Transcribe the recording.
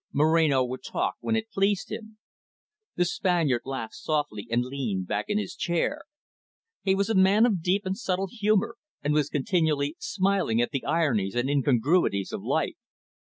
Moreno would talk when it pleased him. The Spaniard laughed softly, and leaned back in his chair. He was a man of deep and subtle humour, and was continually smiling at the ironies and incongruities of life.